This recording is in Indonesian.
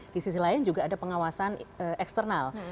di sisi lain juga ada pengawasan eksternal